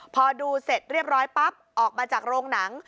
พอดูเสร็จเรียบร้อยปั๊บออกมาจากโรงหนัง